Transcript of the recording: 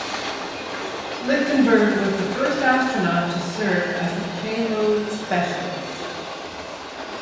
Lichtenberg was the first astronaut to serve as a Payload Specialist.